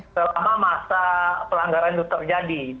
selama masa pelanggaran itu terjadi